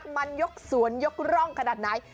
มันยกสวนยกร่องขนาดไหน